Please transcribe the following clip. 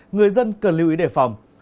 người dân cần lưu ý đề phòng